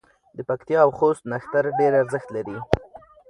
د پکتیا او خوست نښتر ډېر ارزښت لري.